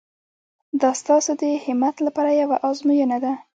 دا ستاسو د همت لپاره یوه ازموینه ده.